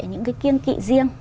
những cái kiêng kỵ riêng